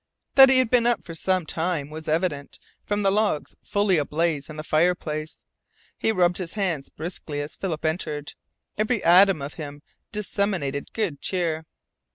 That he had been up for some time was evident from the logs fully ablaze in the fireplace. He rubbed his hands briskly as Philip entered. Every atom of him disseminated good cheer.